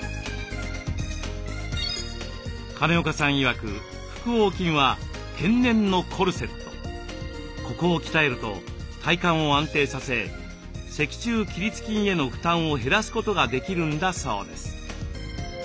金岡さんいわくここを鍛えると体幹を安定させ脊柱起立筋への負担を減らすことができるんだそうです。